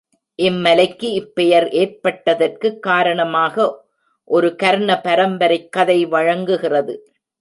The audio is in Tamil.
இம் மலைக்கு இப் பெயர் ஏற்பட்டதற்குக் காரணமாக ஒரு கர்ண பரம்பரைக் கதை வழங்குகிறது.